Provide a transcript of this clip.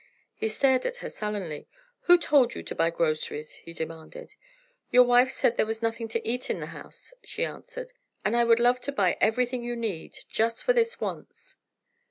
He stared at her sullenly. "Who told you to buy groceries?" he demanded. "Your wife said there was nothing to eat in the house," she answered, "and I would love to buy everything you need, just for this once."